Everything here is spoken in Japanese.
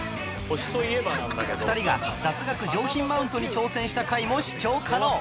２人が雑学上品マウントに挑戦した回も視聴可能